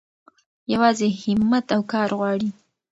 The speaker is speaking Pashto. يوازې هيمت او کار غواړي.